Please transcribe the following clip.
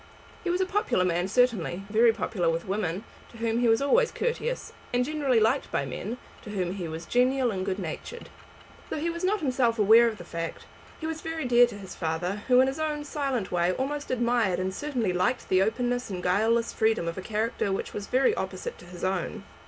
He was a popular man certainly, very popular with women, to whom he was always courteous, and generally liked by men, to whom he was genial and good natured. Though he was not himself aware of the fact, he was very dear to his father, who in his own silent way almost admired and certainly liked the openness and guileless freedom of a character which was very opposite to his own.